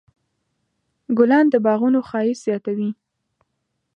ګلان د باغونو ښایست زیاتوي.